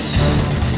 lo sudah bisa berhenti